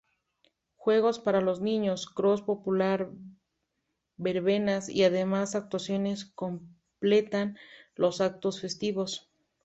Juegos para los niños, cross popular, verbenas y demás actuaciones completan los actos festivos.